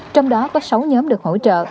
trong đó có sáu nhóm được hỗ trợ